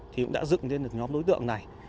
thì cũng đã dựng lên được nhóm đối tượng này